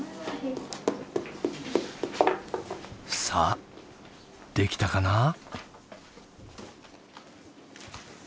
さあできたかな？